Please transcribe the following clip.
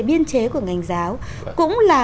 biên chế của ngành giáo cũng là